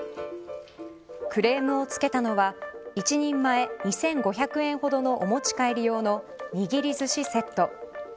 クレームをつけたのは１人前２５００円ほどのお持ち帰り用のにぎりずしセット。